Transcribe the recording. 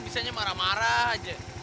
bisanya marah marah aja